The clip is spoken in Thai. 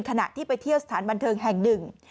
ขณะที่ไปเที่ยวสถานบันเทิงแห่งหนึ่ง